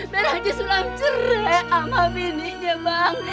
biar haji sulam cerai sama bininya bang